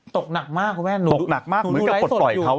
ตกหนักมากครับแม่นหนูดูไร้สดอยู่ตกหนักมากเหมือนกับปลดปล่อยเขา